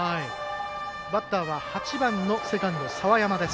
バッターは８番のセカンド澤山です。